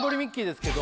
ですけど